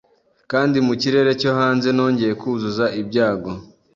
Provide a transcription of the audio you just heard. Kandi mu kirere cyo hanze nongeye kuzuza ibyago